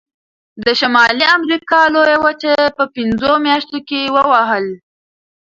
د شمالي امریکا لویه وچه یې په پنځو میاشتو کې ووهله.